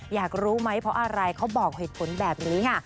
อยากรู้ไหมเพราะอะไรเขาบอกเหตุผลแบบนี้ค่ะ